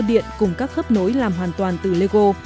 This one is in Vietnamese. điện cùng các khớp nối làm hoàn toàn từ lego